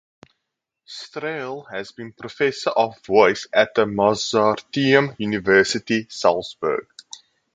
Strehl has been professor of voice at the Mozarteum University Salzburg.